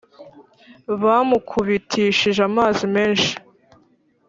Bamukubitishije amazi menshi